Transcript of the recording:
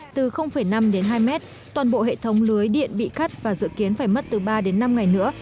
từ năm đến hai mét toàn bộ hệ thống lưới điện bị cắt và dự kiến phải mất từ ba đến năm ngày nữa